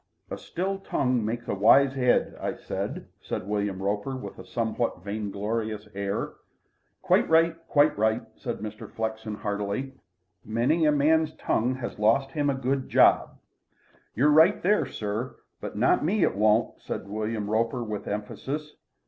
A still tongue makes a wise 'ead, I say," said William Roper, with a somewhat vainglorious air. "Quite right quite right," said Mr. Flexen heartily. "Many a man's tongue has lost him a good job." "You're right there, sir. But not me it won't," said William Roper with emphasis.